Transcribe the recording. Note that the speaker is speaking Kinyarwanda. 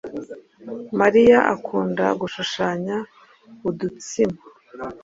Mariya akunda gushushanya udutsima.